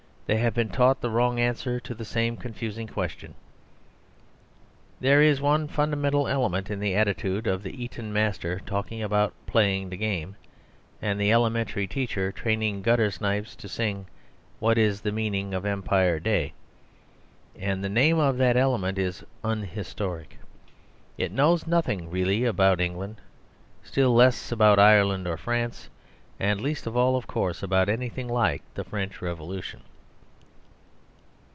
They have been taught the wrong answer to the same confusing question. There is one fundamental element in the attitude of the Eton master talking about "playing the game," and the elementary teacher training gutter snipes to sing, "What is the Meaning of Empire Day?" And the name of that element is "unhistoric." It knows nothing really about England, still less about Ireland or France, and, least of all, of course, about anything like the French Revolution.